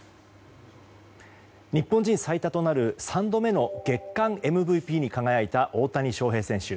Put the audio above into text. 日本人最多となる３度目の月間ＭＶＰに輝いた大谷選手。